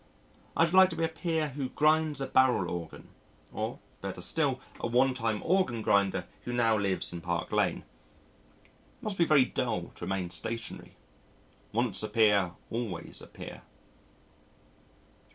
I should like to be a peer who grinds a barrel organ or (better still) a one time organ grinder who now lives in Park Lane. It must be very dull to remain stationary once a peer always a peer.